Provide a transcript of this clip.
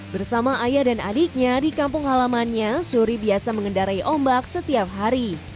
bersama ayah dan adiknya di kampung halamannya suri biasa mengendarai ombak setiap hari